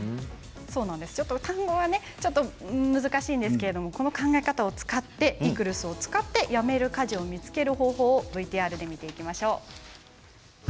単語はちょっと難しいんですけどこの考え方、ＥＣＲＳを使ってやめる家事を見つける方法見ていきましょう。